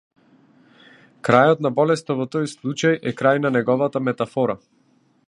Крајот на болеста во тој случај е крај на неговата метафора.